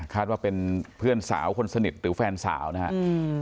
ว่าเป็นเพื่อนสาวคนสนิทหรือแฟนสาวนะครับ